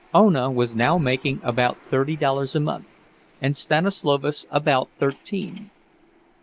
Ona was now making about thirty dollars a month, and Stanislovas about thirteen.